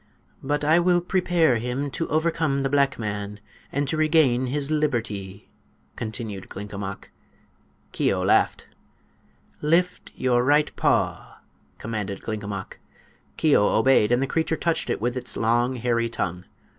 "But I will prepare him to overcome the black man, and to regain his liberty," continued Glinkomok. Keo laughed. "Lift your right paw," commanded Glinkomok. Keo obeyed, and the creature touched it with its long, hairy tongue.